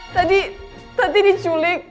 tadi tadi diculik